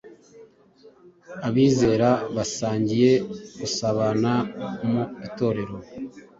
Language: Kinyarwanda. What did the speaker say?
abizera basangiye gusabana mu Itorero.